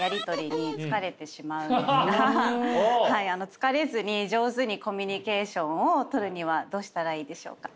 疲れずに上手にコミュニケーションを取るにはどうしたらいいでしょうか？